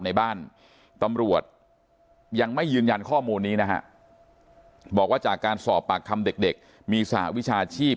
ในบ้านตำรวจยังไม่ยืนยันข้อมูลนี้นะฮะบอกว่าจากการสอบปากคำเด็กมีสหวิชาชีพ